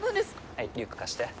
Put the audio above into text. はいリュック貸して。